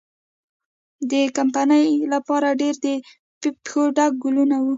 د کمپنۍ لپاره ډېر د پېښو ډک کلونه وو.